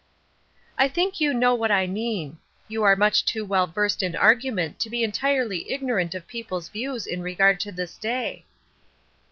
" I think you know what I mean. You are much too well versed in argument to be entirely ignorant of people's views in regard to this day."